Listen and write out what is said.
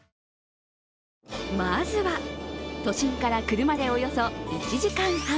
まずは都心から車でおよそ１時間半。